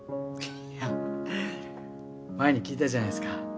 いや前に聞いたじゃないですか。